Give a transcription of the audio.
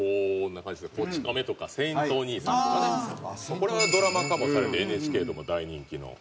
これはドラマ化もされてＮＨＫでも大人気の。